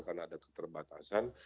karena ada keterbangan